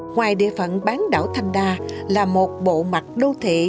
ngoài địa phận bán đảo thanh đa là một bộ mặt đô thị